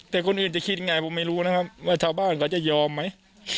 แต่คนอื่นจะคิดยังไงผมไม่รู้นะครับว่าชาวบ้านเขาจะยอมไหม